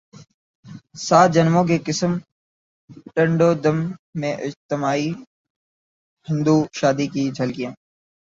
سات جنموں کی قسم ٹنڈو دم میں اجتماعی ہندو شادی کی جھلکیاں